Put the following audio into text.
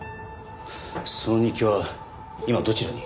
その日記は今どちらに？